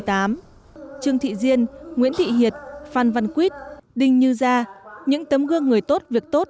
trương thị diên nguyễn thị hiệp phan văn quýt đinh như gia những tấm gương người tốt việc tốt